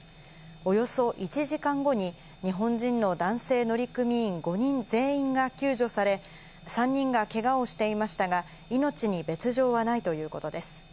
およそ１時間後に、日本人の男性乗組員５人全員が救助され、３人がけがをしていましたが、命に別状はないということです。